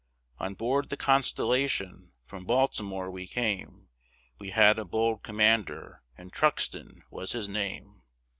On board the Constellation, from Baltimore we came, We had a bold commander and Truxton was his name!